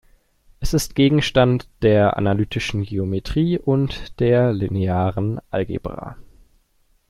Es ist Gegenstand der analytischen Geometrie und der linearen Algebra.